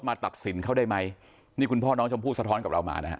ตัดสินเขาได้ไหมนี่คุณพ่อน้องชมพู่สะท้อนกับเรามานะฮะ